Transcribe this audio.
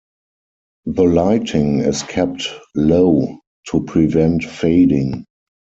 The lighting is kept low to prevent fading.